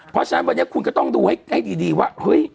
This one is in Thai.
เพราะฉะนั้นวันนี้คุณก็ต้องดูให้ดีว่าเฮ้ย